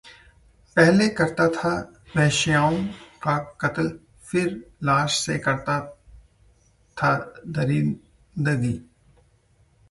पहले करता था वेश्याओं का कत्ल, फिर लाश से करता था दरिंदगी